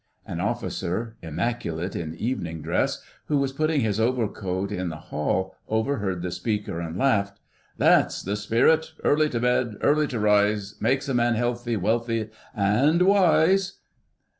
An officer, immaculate in evening dress, who was putting his overcoat in the hall, overheard the speaker, and laughed. "That's the spirit! Early to bed, early to rise, makes a man healthy, wealthy, and wise!"